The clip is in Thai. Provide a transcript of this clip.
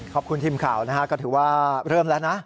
ขอบคุณทีมข่าวนะฮะก็ถือว่าเริ่มแล้วนะ